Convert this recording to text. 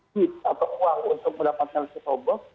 kis atau uang untuk mendapatkan cetel box